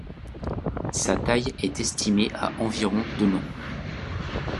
Sa taille est estimée à environ de long.